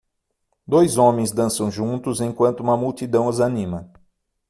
Dois homens dançam juntos enquanto uma multidão os anima